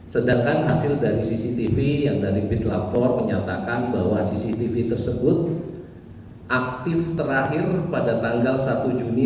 sedangkan hasil dari cctv yang dari pit lapor menyatakan bahwa cctv tersebut aktif terakhir pada tanggal satu juni dua ribu dua puluh tiga